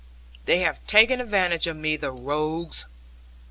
They have taken advantage of me, the rogues!